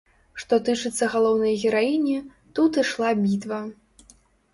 Што тычыцца галоўнай гераіні, тут ішла бітва.